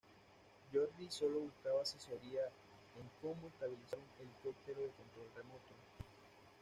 Jordi sólo buscaba asesoría en cómo estabilizar un helicóptero de control remoto.